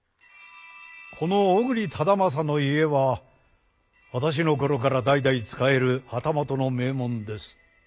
この小栗忠順の家は私の頃から代々仕える旗本の名門です。